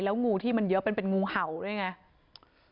งูที่มันเยอะมันเป็นงูเห่าด้วยไง